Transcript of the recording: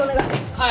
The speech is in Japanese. はい。